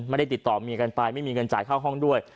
ไม่ได้ติดต่อเมียกันไปไม่มีเงินจ่ายค่าห้องด้วย